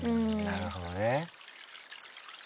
なるほどね。